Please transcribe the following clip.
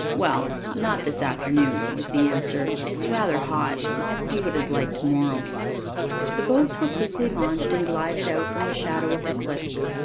"Well, not this afternoon," was the answer. "It's rather hot. I'll see what it is like tomorrow." The boats were quickly launched and glided out from the shadow of the cliffs.